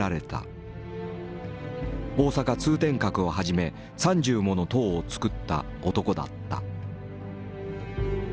大阪通天閣をはじめ３０もの塔を造った男だった。